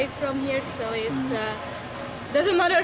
itu hanya berjalan dan bergerak